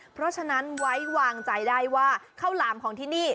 เพราะฉะนั้นไว้วางใจได้ว่าข้าวหลามของที่นี่